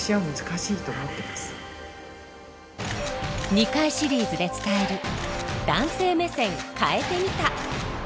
２回シリーズで伝える「“男性目線”変えてみた」。